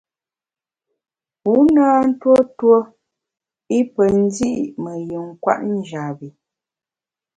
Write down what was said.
Wu na ntuo tuo i pe ndi’ me yin kwet njap bi.